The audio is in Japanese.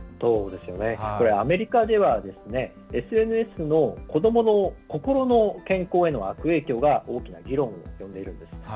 アメリカではＳＮＳの子どもの心の健康への悪影響が大きな議論を呼んでいるんです。